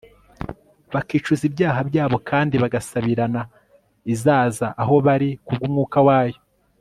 bakicuza ibyaha byabo kandi bagasabirana, izaza aho bari kubw'umwuka wayo